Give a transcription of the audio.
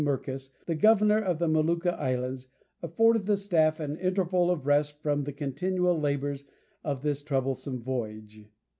Merkus, the governor of the Molucca Island, afforded the staff an interval of rest from the continual labours of this troublesome voyage.